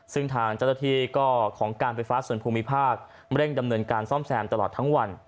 ซึ่งทางเจ้าหน้าที่ก็ของการไฟฟ้าส่วนภูมิภาคเร่งดำเนินการซ่อมแซมตลอดทั้งวัน